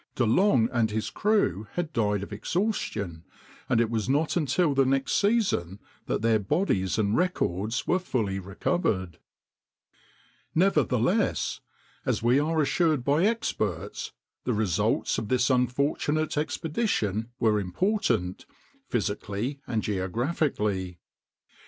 De Long and his crew had died of exhaustion, and it was not until the next season that their bodies and records were fully recovered. Nevertheless, as we are assured by experts, the results of this unfortunate expedition were important, physically and geographically.